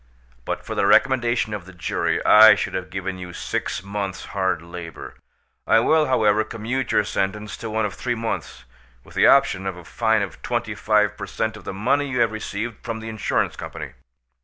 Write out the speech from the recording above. But for the recommendation of the jury I should have given you six months' hard labour. I will, however, commute your sentence to one of three months, with the option of a fine of twenty five per cent. of the money you have received from the insurance company."